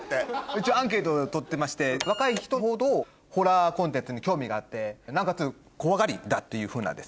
一応アンケートを取ってまして若い人ほどホラーコンテンツに興味があってなおかつ怖がりだっていうふうな。